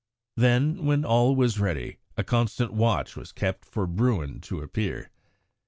Then, when all was ready, a constant watch was kept for Bruin to appear.